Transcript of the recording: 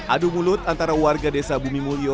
adu mulut antara warga desa bumi mulyo